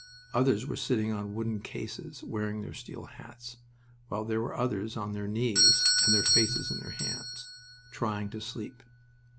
Others were sitting on wooden cases, wearing their steel hats, while there were others on their knees, and their faces in their hands, trying to sleep.